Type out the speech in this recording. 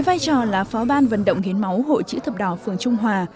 vài trò là phó ban vận động hiến máu hội chữ thập đỏ phương trung hòa